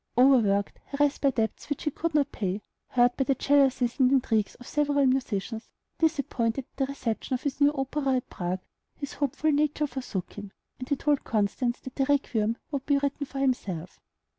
Overworked, harassed by debts which he could not pay, hurt at the jealousies and intrigues of several musicians, disappointed at the reception of his new opera at Prague, his hopeful nature forsook him, and he told Constance that the "Requiem" would be written for himself.